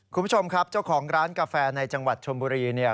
คุณผู้ชมครับเจ้าของร้านกาแฟในจังหวัดชมบุรีเนี่ย